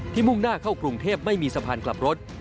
มุ่งหน้าเข้ากรุงเทพไม่มีสะพานกลับรถ